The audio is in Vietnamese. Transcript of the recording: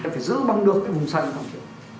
phải giữ bằng được cái vùng xanh